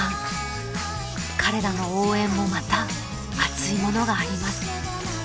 ［彼らの応援もまた熱いものがあります］